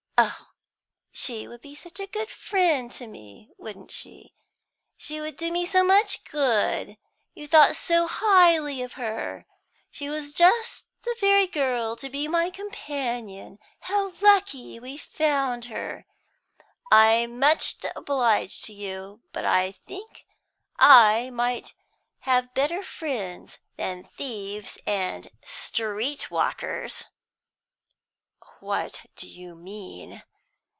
Oh, she would be such a good friend to me, wouldn't she? She would do me so much good; you thought so highly of her; she was just the very girl to be my companion; how lucky we found her! I'm much obliged to you, but I think I might have better friends than thieves and street walkers." "What do you mean?"